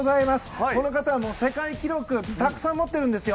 この方は世界記録たくさん持っているんですよ。